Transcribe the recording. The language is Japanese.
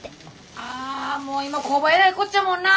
ああもう今工場えらいこっちゃもんな。